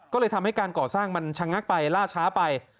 ก็เลยทำให้การก่อสร้างมันชะงักไปล่าช้าไป